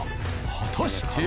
果たして。